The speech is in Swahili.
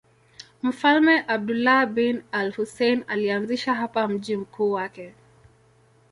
Mfalme Abdullah bin al-Husayn alianzisha hapa mji mkuu wake.